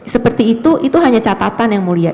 seperti itu itu hanya catatan yang mulia